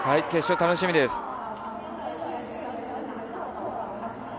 決勝、楽しみです。